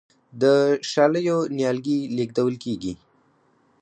د شالیو نیالګي لیږدول کیږي.